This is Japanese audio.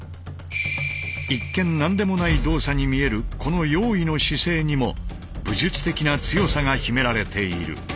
一見何でもない動作に見えるこの用意の姿勢にも武術的な強さが秘められている。